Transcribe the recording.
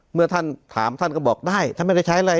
เมื่อท่านถามท่านก็บอกได้ท่านไม่ได้ใช้อะไร